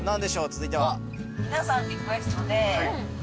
続いては。